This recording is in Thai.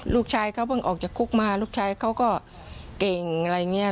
ลูกชายเขาเพิ่งออกจากคุกมาลูกชายเขาก็เก่งอะไรอย่างนี้